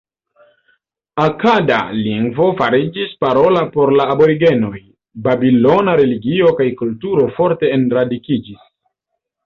Akada lingvo fariĝis parola por la aborigenoj, babilona religio kaj kulturo forte enradikiĝis.